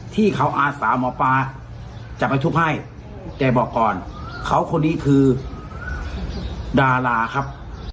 ที่เขาอาสาหมอปลาจะไปทุบให้แกบอกก่อนเขาคนนี้คือดาราครับ